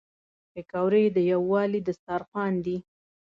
پکورې د یووالي دسترخوان دي